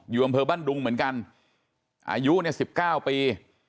อยู่บำเภอบ้านลุงเหมือนกันอายุ๑๙ปี